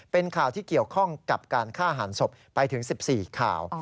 เป็นข่าวที่เกี่ยวข้องกับการฆ่าหันศพไปถึง๑๔ข่าว